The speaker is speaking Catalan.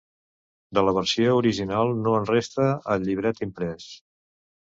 De la versió original no en resta el llibret imprès.